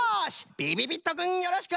びびびっとくんよろしく！